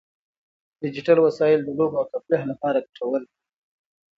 ډیجیټل وسایل د لوبو او تفریح لپاره ګټور دي.